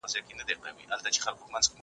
ته ولي چايي څښې!.